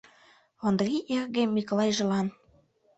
Ондрий эрге Миклайжылан